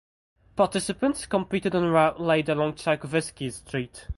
Participants competed on the route laid along Tchaikovsky Street.